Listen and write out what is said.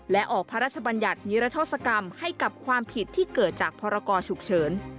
และออกพระราชบัญญัตินิรัทธศกรรมให้กับความผิดที่เกิดจากพรกรฉุกเฉิน